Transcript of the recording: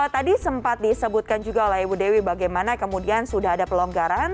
tadi sempat disebutkan juga oleh ibu dewi bagaimana kemudian sudah ada pelonggaran